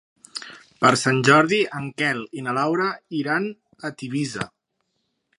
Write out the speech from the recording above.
Per Sant Jordi en Quel i na Laura iran a Tivissa.